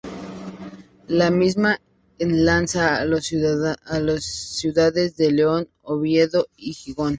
La misma enlaza a las ciudades de León, Oviedo y Gijón.